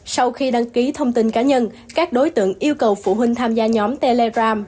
sau khi đăng ký thông tin cá nhân các đối tượng yêu cầu phụ huynh tham gia nhóm telegram